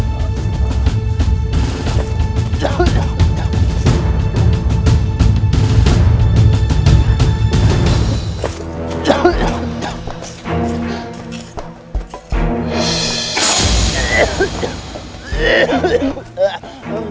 sama sama deh hatu amin